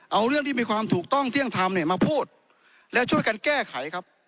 เอาเรื่องที่มีความถูกต้องเที่ยงธรรมเนี่ยมาพูดและช่วยกันแก้ไขครับ